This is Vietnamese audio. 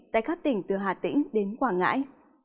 tại các tỉnh từ hà tĩnh đến quảng ngãi